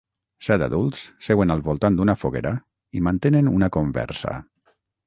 Set adults seuen al volant d'una foguera i mantenen una conversa.